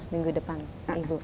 minggu depan ibu